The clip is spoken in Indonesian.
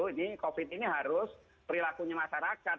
ini covid ini harus perilakunya masyarakat